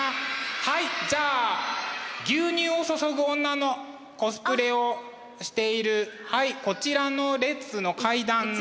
はいじゃあ「牛乳を注ぐ女」のコスプレをしているはいこちらの列の階段の。